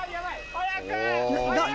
早く！